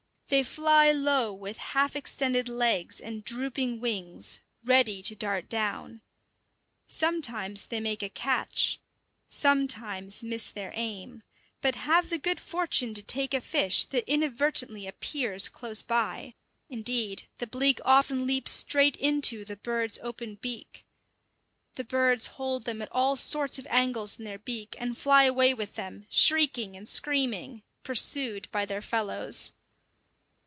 They fly low with half extended legs and drooping wings, ready to dart down. Sometimes they make a catch, sometimes miss their aim, but have the good fortune to take a fish that inadvertently appears close by; indeed the bleak often leap straight into the birds' open beak. The birds hold them at all sorts of angles in their beak, and fly away with them, shrieking and screaming, pursued by their fellows.